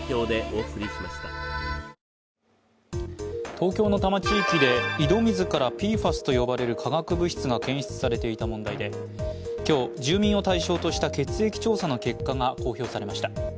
東京の多摩地域で井戸水からＰＦＡＳと呼ばれる化学物質が検出されていた問題で今日、住民を対象とした血液調査の結果が公表されました。